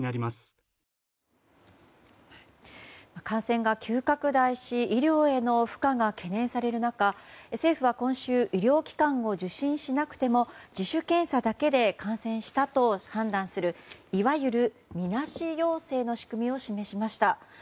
感染が急拡大し医療への負荷が懸念される中、政府は今週医療機関を受診しなくても自主検査だけで感染したと判断するいわゆる、みなし陽性の仕組みを示しました。